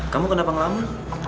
kamu kenapa ngelama